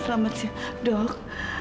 selamat siang dok